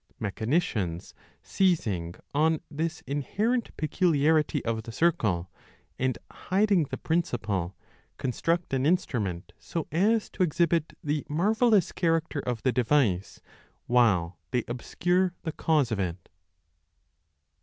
Mechanicians seizing on this inherent peculiarity of the circle, and hiding the principle, construct 35 an instrument so as to exhibit the marvellous character of the device, while they obscure the cause of it.